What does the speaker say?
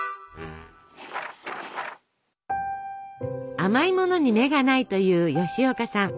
甘いものに目がないという吉岡さん。